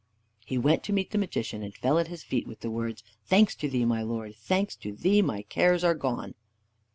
He went to meet the Magician and fell at his feet with the words, "Thanks to thee, my lord, thanks to thee, my cares are gone!"